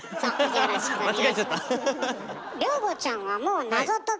よろしくお願いします。